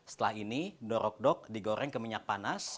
setelah ini dorok dok digoreng ke minyak panas